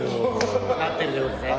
なってるということですね。